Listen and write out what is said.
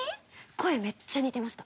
声めっちゃ似てました。